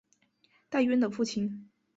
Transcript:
戴渊的父亲。